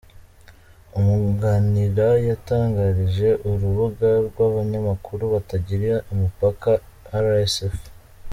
Umwunganira yatangarije urubuga rw’abanyamakuru batagira umupaka, rsf.